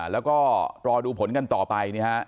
แล้วก็รอดูผลกันต่อไป